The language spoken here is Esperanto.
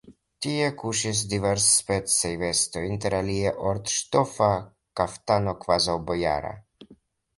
Tie kuŝis diversspecaj vestoj, interalie orŝtofa kaftano, kvazaŭ bojara.